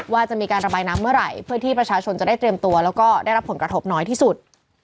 ว่าจะมีการระบายน้ำเมื่อไหร่เพื่อที่ประชาชนจะได้เตรียมตัวแล้วก็ได้รับผลกระทบน้อยที่สุด